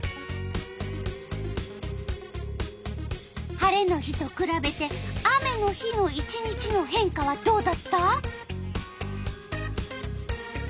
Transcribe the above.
晴れの日とくらべて雨の日の１日の変化はどうだった？